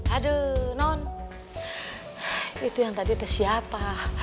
aduh non itu yang tadi ke siapa